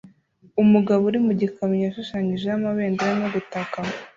Umugabo uri mu gikamyo yashushanyijeho amabendera no gutaka